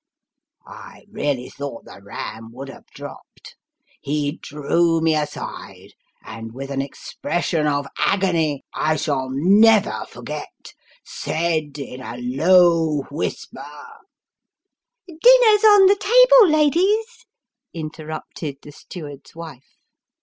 I really thought the Ram would have dropped. He drew me aside, and with an expression of agony I shall never forget, said in a low whisper " 3O2 Sketches by Bos. " Dinner's on the table, ladies," interrupted the steward's wife.